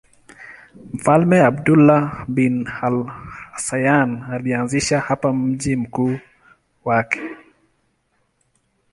Mfalme Abdullah bin al-Husayn alianzisha hapa mji mkuu wake.